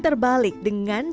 kalau saja kau seperti kami